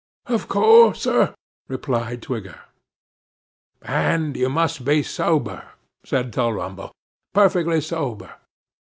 'Of course, sir,' replied Twigger. 'And you must be sober,' said Tulrumble; 'perfectly sober.